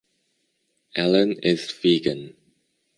Allen is vegan.